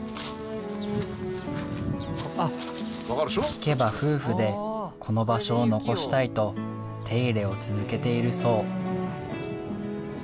聞けば夫婦でこの場所を残したいと手入れを続けているそう。